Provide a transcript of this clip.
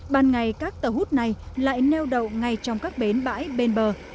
ban ngày các tàu hút này lại neo đậu ngay trong các bến bãi bên bờ